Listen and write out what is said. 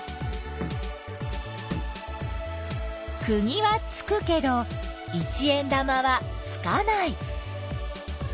くぎはつくけど一円玉はつかない。